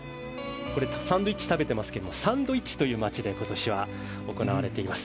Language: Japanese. サンドイッチ食べていますけどサンドイッチという街で今年は行われています。